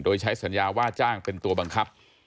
โดยใช้สัญญาว่าจ้างเป็นตัวบังคับ